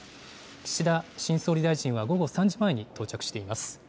岸田新総理大臣は午後３時前に到着しています。